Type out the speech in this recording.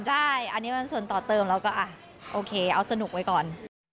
ใช่อันนั้นก็คนละส่วนต่อเติมแล้วเอาสนุกเว้ยก่อน